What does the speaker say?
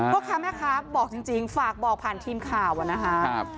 พวกค้าแม่ครับบอกจริงฝากบอกผ่านทีมข่าวนะครับ